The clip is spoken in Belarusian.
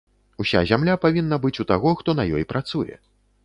Уся зямля павінна быць у таго, хто на ёй працуе.